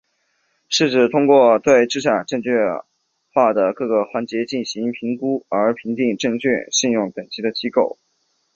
是指通过对资产证券化的各个环节进行评估而评定证券信用等级的机构。